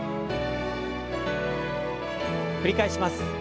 繰り返します。